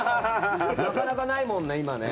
なかなかないもんね。